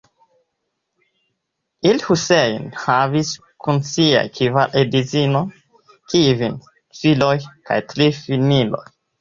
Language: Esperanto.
Al-Husejn havis kun siaj kvar edzinoj kvin filojn kaj tri filinojn.